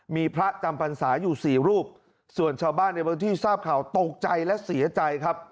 มีพระจัมปันสาอยู่สี่รูปส่วนชาวบ้านในบัตรวธิสาปเข่าตกใจและเสียใจครับ